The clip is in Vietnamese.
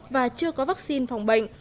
và chưa có vaccine phòng bệnh